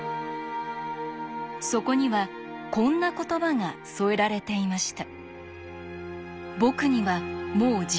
そこにはこんな言葉が添えられていました。